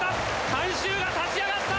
観衆が立ち上がった。